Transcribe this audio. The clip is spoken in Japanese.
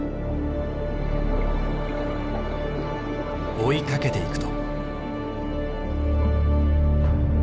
追いかけていくと。